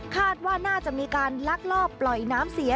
คาดว่าน่าจะมีการลักลอบปล่อยน้ำเสีย